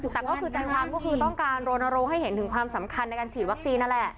แต่ก็คือใจความก็คือต้องการรณรงค์ให้เห็นถึงความสำคัญในการฉีดวัคซีนนั่นแหละ